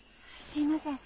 すみません。